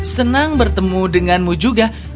senang bertemu denganmu juga